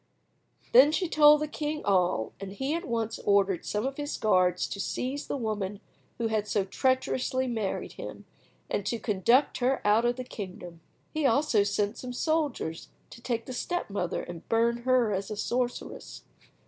Then she told the king all, and he at once ordered some of his guards to seize the woman who had so treacherously married him, and to conduct her out of the kingdom. He also sent some soldiers to take the step mother and burn her as a sorceress.